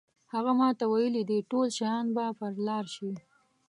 هغه ماته ویلي دي ټول شیان به پر لار شي.